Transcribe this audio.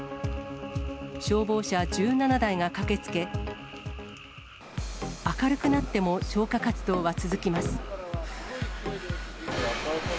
消防車１７台が駆けつけ、明るくなっても消火活動は続きます。